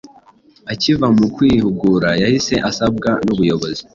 akiva mu kwihugura yahise asabwa n’ubuyobozi